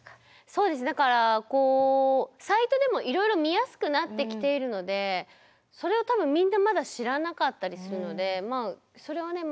そうですねだからこうサイトでもいろいろ見やすくなってきているのでそれを多分みんなまだ知らなかったりするのでまあそれをね